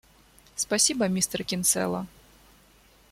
Спасибо, мистер Кинсела.